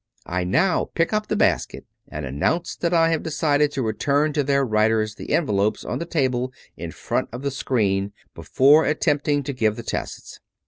I now pick up the basket and announce that I have decided to return to their writers the envelopes on the table in front of the screen before attempting to give the tests.